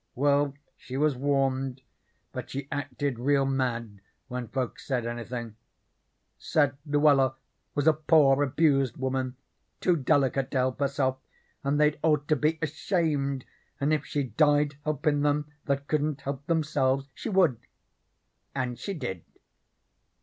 Well, she was warned, but she acted real mad when folks said anythin': said Luella was a poor, abused woman, too delicate to help herself, and they'd ought to be ashamed, and if she died helpin' them that couldn't help themselves she would and she did.